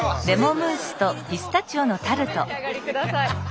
お召し上がりください。